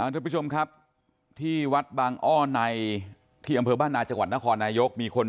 ทุกผู้ชมครับที่วัดบางอ้อในที่อำเภอบ้านนาจังหวัดนครนายกมีคน